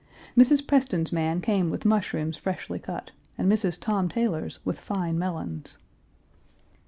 Mrs. Preston's man came with mushrooms freshly cut and Mrs. Tom Taylor's with fine melons.